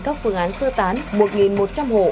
các phương án sơ tán một một trăm linh hộ